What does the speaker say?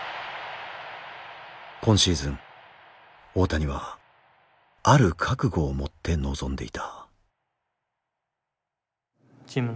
今シーズン大谷はある覚悟を持って臨んでいた。